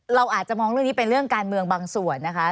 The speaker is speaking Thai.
เราอาจจะมองเรื่องนี้เป็นเรื่องการเมืองบางส่วนนะคะ